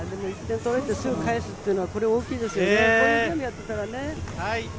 取られてすぐ返すっていうのは大きいですよね。